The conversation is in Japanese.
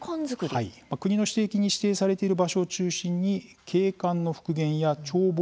国の史跡に指定されている場所を中心に、景観の復元や眺望の確保